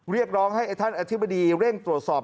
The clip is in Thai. เรียกร้องให้ท่านอธิบดีเร่งตรวจสอบ